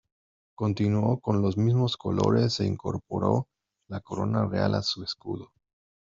Continuó con los mismos colores e incorporó la corona real a su escudo.